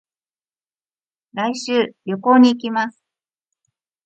来週、旅行に行きます。